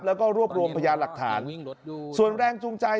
แล้วก็รวบรวมพยานหลักฐานส่วนแรงจูงใจ